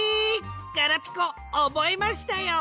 ガラピコおぼえましたよ。